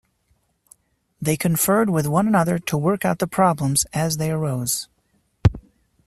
They conferred with one another to work out the problems as they arose.